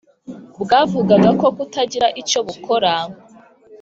Bwavugaga ko kutagira icyo bukora